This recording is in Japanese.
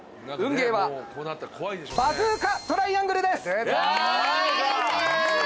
ゲーはバズーカトライアングルです。